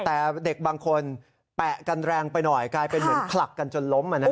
แต่เด็กบางคนแปะกันแรงไปหน่อยกลายเป็นเหมือนผลักกันจนล้ม